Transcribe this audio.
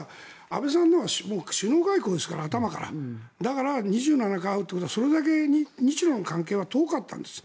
安倍さんのは頭から首脳外交ですからだから、２７回会うというのはそれだけ日ロの関係は遠かったんです。